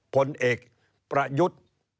ผลเอกประยุทธ์